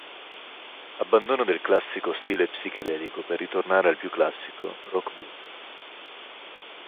Abbandono del classico stile psichedelico per ritornare al più classico rock-blues.